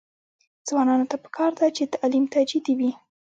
ځوانانو ته پکار ده چې، تعلیم ته جدي وي.